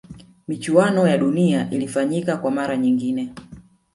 michuano ya dunia ilifanyika kwa mara nyingine